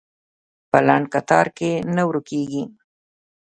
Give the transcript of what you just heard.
په لنډ کتار کې نه ورکېږي.